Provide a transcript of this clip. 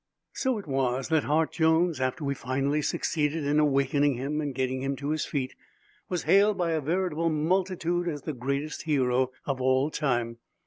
So it was that Hart Jones, after we finally succeeded in awakening him and getting him to his feet, was hailed by a veritable multitude as the greatest hero of all time.